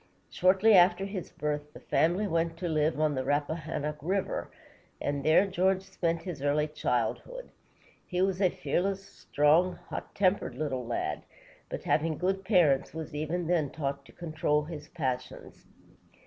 Shortly after his birth, the family went to live on the Rap pa han´nock River, and there George spent his early childhood. He was a fearless, strong, hot tempered little lad, but, having good parents, was even then taught to control his passions.